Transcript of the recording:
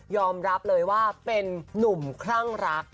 ยอมรับเลยว่าเป็นนุ่มคร่างรัก